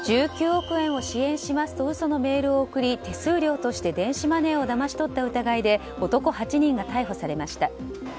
１９億円を支援しますと嘘のメールを送り手数料として電子マネーをだまし取った疑いで男８人が逮捕されました。